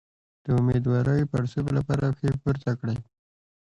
د امیدوارۍ د پړسوب لپاره پښې پورته کړئ